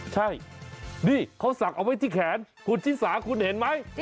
ใช่นี่เขาสักเอาไว้ที่แขนคุณชิสาคุณเห็นไหม